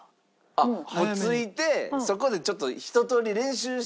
あっもう着いてそこでちょっとひととおり練習して？